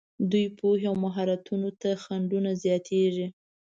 دوی پوهې او مهارتونو ته خنډونه زیاتېږي.